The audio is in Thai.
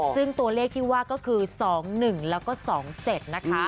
ซึ่งตัวเลขที่ว่าก็คือ๒๑๒๗นะคะ